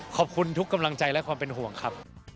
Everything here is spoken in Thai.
ขอบคุณทุกกำลังใจและความเป็นห่วงครับ